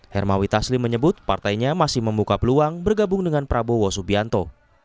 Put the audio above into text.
hermawi taslim menyebut partainya masih membuka peluang bergabung dengan prabowo subianto